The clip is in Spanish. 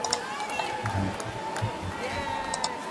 Se dedica a la investigación de terremotos.